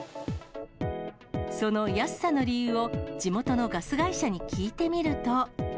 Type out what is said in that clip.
その安さの理由を地元のガス会社に聞いてみると。